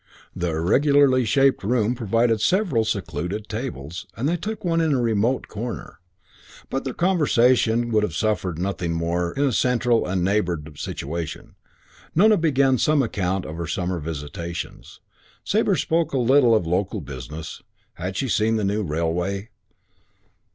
The irregularly shaped room provided several secluded: tables, and they took one in a remote corner. But their conversation would have suffered nothing in a more central and neighboured situation. Nona began some account of her summer visitations. Sabre spoke a little of local businesses: had she seen the new railway?